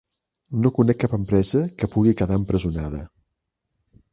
No conec cap empresa que pugui quedar empresonada.